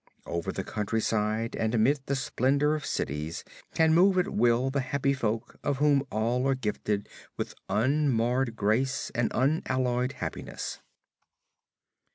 Over the countryside and amidst the splendor of cities can move at will the happy folk, of whom all are gifted with unmarred grace and unalloyed happiness.